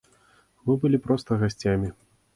Мы былі проста гасцямі.